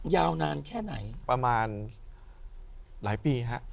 ยาวนานแค่ไหนประมาณหลายปีฮะ